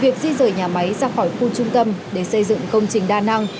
việc di rời nhà máy ra khỏi khu trung tâm để xây dựng công trình đa năng